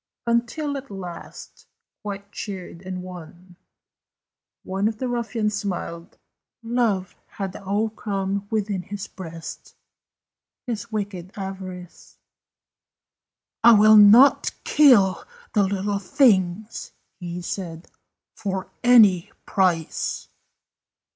Until, at last, quite cheered and won, One of the ruffians smiled. Love had o'ercome within his breast His wicked avarice. "I will not kill the little things," He said, "for any price!"